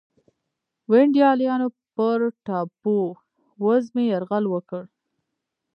ونډالیانو پر ټاپو وزمې یرغل وکړ.